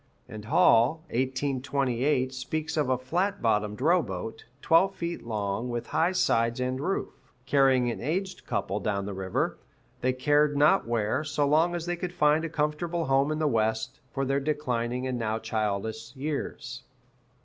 And Hall (1828) speaks of a flat bottomed row boat, "twelve feet long, with high sides and roof," carrying an aged couple down the river, they cared not where, so long as they could find a comfortable home in the West, for their declining and now childless years.